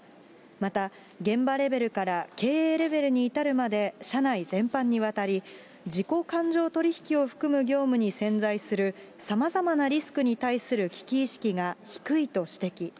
また、現場レベルから経営レベルに至るまで社内全般にわたり、自己勘定取り引きを含む業務に潜在するさまざまなリスクに対する危機意識が低いと指摘。